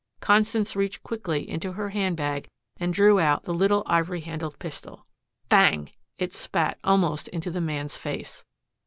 Constance reached quickly into her handbag and drew out the little ivory handled pistol. "Bang!" it spat almost into the man's face.